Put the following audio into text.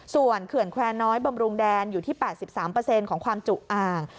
ส่วนเขื่อนแควร์น้อยบำรุงแดนอยู่ที่๘๓ของความจุอ่าง